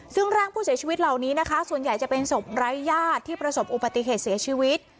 ซึ่งร่างผู้เสียชีวิตเหล่านี้นะคะส่วนใหญ่จะเป็นศพไร้ญาติที่ประสบอุบัติเหตุเสียชีวิต